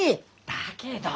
だけど。